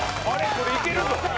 これいけるぞ。